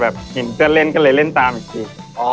แบบเห็นเตือนเล่นกันเลยเล่นตามอีกที